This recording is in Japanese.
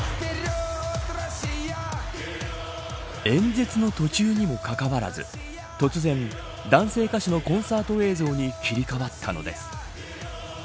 演説の途中にもかかわらず突然、男性歌手のコンサート映像に切り替わったのです。